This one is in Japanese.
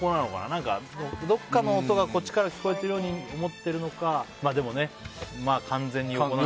何かどこかの音がこっちから聞こえてるように思ってるのか、でも完全に。